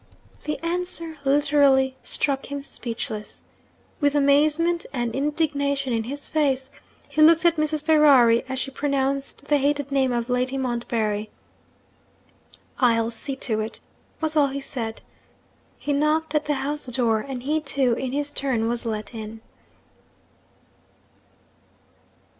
The answer literally struck him speechless. With amazement and indignation in his face, he looked at Mrs. Ferrari as she pronounced the hated name of 'Lady Montbarry.' 'I'll see to it,' was all he said. He knocked at the house door; and he too, in his turn, was let in.